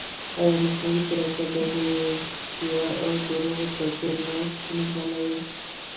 ایا مصنوعي ځیرکتیا د ریښتیا او دروغو توپیر نه ستونزمنوي؟